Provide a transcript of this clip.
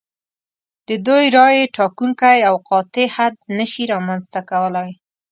د دوی رایې ټاکونکی او قاطع حد نشي رامنځته کولای.